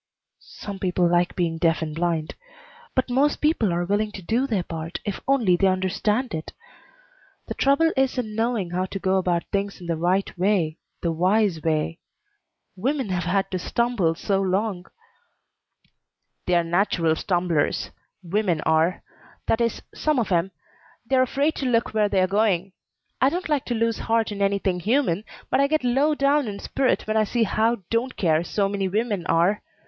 "Some people like being deaf and blind. But most people are willing to do their part if they only understand it. The trouble is in knowing how to go about things in the right way the wise way. Women have had to stumble so long "They're natural stumblers women are. That is, some of 'em. They're afraid to look where they're going. I don't like to lose heart in anything human, but I get low down in spirit when I see how don't care so many women are.